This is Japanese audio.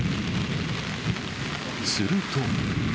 すると。